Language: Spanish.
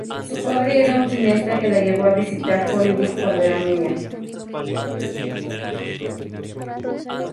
Su padre era un cineasta que la llevó a visitar Hollywood cuando era niña.